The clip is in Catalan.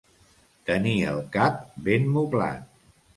Tenir el cap ben moblat.